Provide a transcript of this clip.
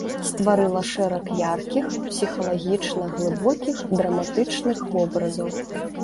Стварыла шэраг яркіх, псіхалагічна глыбокіх драматычных вобразаў.